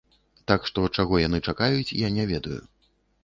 Так што, чаго яны чакаюць, я не ведаю.